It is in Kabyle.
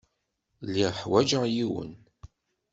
Lliɣ ḥwajeɣ yiwen.